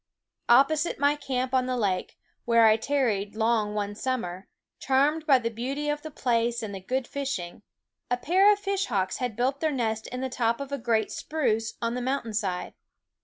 Opposite my camp on the lake, where I tarried long one summer, charmed by the beauty of the place and the good fishing, a pair of fishhawks had built their nest in the top of a great spruce on the mountain side.